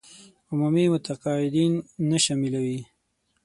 عمومي متقاعدين نه شاملوي.